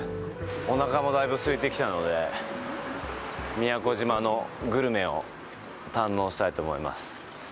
おなかも大分すいてきたので、宮古島のグルメを堪能したいと思います。